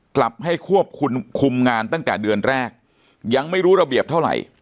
กลับให้ควบคุมคุมงานตั้งแต่เดือนแรกยังไม่รู้ระเบียบเท่าไหร่